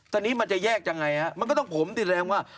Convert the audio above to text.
ตอนนี้มันจะแยกยังไงฮะมันก็ต้องผมสิแรงว่า